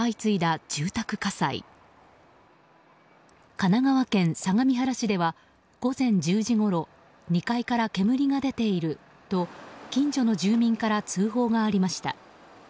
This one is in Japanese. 神奈川県相模原市では午前１０時ごろ２階から煙が出ていると近所の住民から通報がありました。